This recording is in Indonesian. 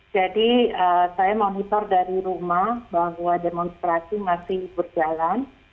saya monitor dari rumah bahwa demonstrasi masih berjalan